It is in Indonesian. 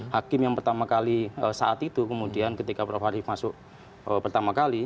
hakim yang pertama kali saat itu kemudian ketika prof arief masuk pertama kali